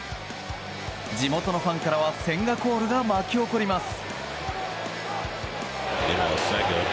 地元ファンからは千賀コールが巻き起こります。